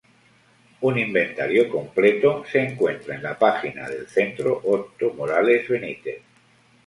Un inventario completo, se encuentra en la página del Centro Otto Morales Benítez.